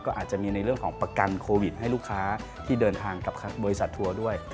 ก็อาจจะมีในเรื่องของประกันโควิดให้ลูกค้าที่เดินทางกับบริษัททัวร์ด้วย